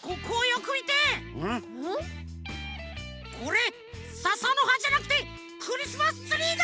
これささのはじゃなくてクリスマスツリーだ！